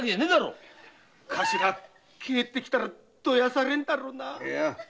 頭帰ってきたらどやされるんだろうなぁ。